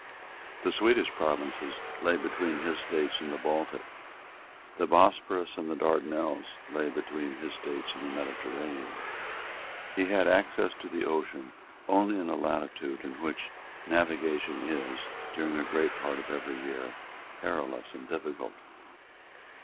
The Swedish provinces lay between his States and the Baltic. The Bosporus and the Dardanelles lay between his States and the Mediterranean. He had access to the ocean only in a latitude in which navigation is, during a great part of every year, perilous and difficult.